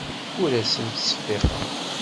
Ur asent-ttseffiqeɣ.